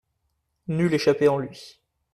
Nulle échappée en lui.